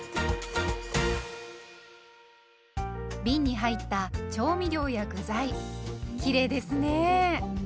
びんに入った調味料や具材きれいですね。